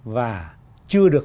và chưa được